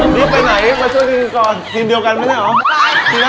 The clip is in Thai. นี่ไปไหนมาช่วยทีมก่อนทีมเดียวกันไม่ได้เหรอ